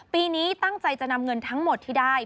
ปีนี้ตั้งใจจะนำเงินทั้งหมดที่ได้